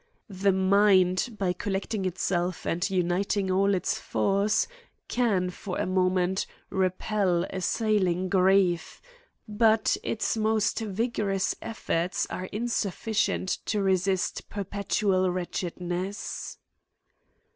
The mind, by collecting itself and uniting all its force, can, for a moment, re pel assailing grief; but its most vigorous efforts are insufficient to resist perpetual wretchedness.